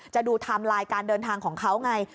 ดูไทม์ไลน์การเดินทางของเขาไง